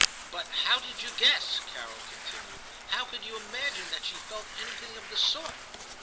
' But how did you guess,' Carol continued, *how could you imagine that she felt any thing of the sort?'